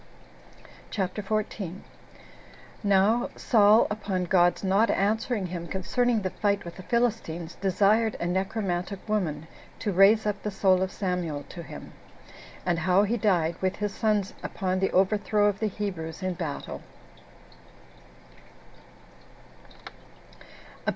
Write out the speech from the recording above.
CHAPTER 14. How Saul Upon God's Not Answering Him Concerning The Fight With The Philistines Desired A Necromantic Woman To Raise Up The Soul Of Samuel To Him; And How He Died, With His Sons Upon The Overthrow Of The Hebrews In Battle.